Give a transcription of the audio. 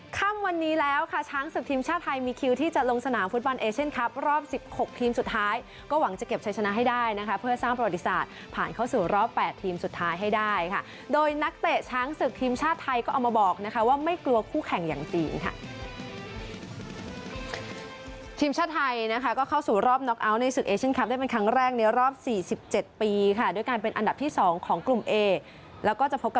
ค่ะค่ะค่ะค่ะค่ะค่ะค่ะค่ะค่ะค่ะค่ะค่ะค่ะค่ะค่ะค่ะค่ะค่ะค่ะค่ะค่ะค่ะค่ะค่ะค่ะค่ะค่ะค่ะค่ะค่ะค่ะค่ะค่ะค่ะค่ะค่ะค่ะค่ะค่ะค่ะค่ะค่ะค่ะค่ะค่ะค่ะค่ะค่ะค่ะค่ะค่ะค่ะค่ะค่ะค่ะค่ะ